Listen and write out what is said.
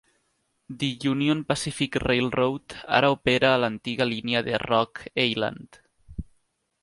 The Union Pacific Railroad ara opera a l'antiga línia de Rock Ailand.